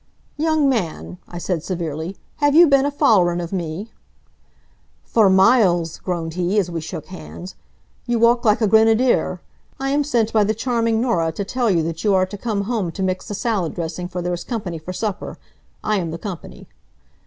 "Young man," I said severely, "have you been a follerin' of me?" "For miles," groaned he, as we shook hands. "You walk like a grenadier. I am sent by the charming Norah to tell you that you are to come home to mix the salad dressing, for there is company for supper. I am the company."